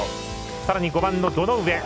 さらに５番の堂上。